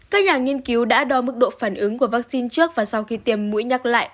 các nhà nghiên cứu đã đo mức độ phản ứng của vaccine trước và sau khi tiêm mũi nhắc lại